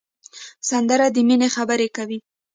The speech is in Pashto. سندره د مینې خبرې کوي